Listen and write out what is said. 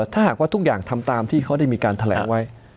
ถ้าหากว่าทุกอย่างทำตามที่เขาได้มีการแถลงไว้